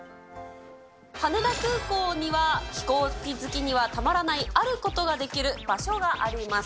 羽田空港には飛行機好きにはたまらない、あることができる場所があります。